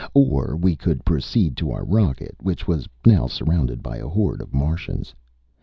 Or we could proceed to our rocket, which was now surrounded by a horde of Martians.